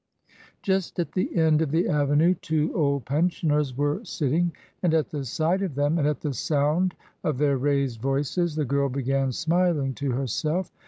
Just at the end of the avenue two old pensioners were sitting; and at the sight of them, and at the sound of their raised voices, the girl began smiling to herself.